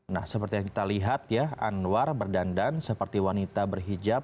nah seperti yang kita lihat ya anwar berdandan seperti wanita berhijab